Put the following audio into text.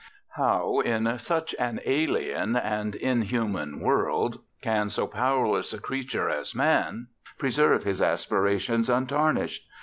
How, in such an alien and inhuman world, can so powerless a creature as Man preserve his aspirations untarnished?